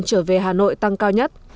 trở về hà nội tăng cao nhất